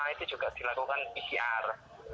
itu juga dilakukan pcr